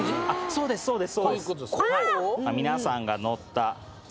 そうですそうです。